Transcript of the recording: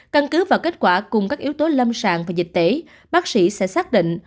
căn cứ vào kết quả cùng các yếu tố lâm sàng và dịch tễ bác sĩ sẽ xác định